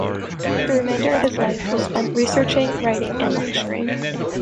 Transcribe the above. The remainder of his life was spent researching, writing, and lecturing.